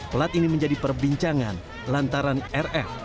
pelat ini menjadi perbincangan lantaran rf